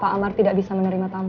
pak amar tidak bisa menerima tamu